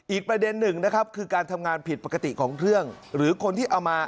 อีกประเด็นหนึ่งนะครับคือการทำงานผิดปกติของเครื่องหรือคนที่เอามา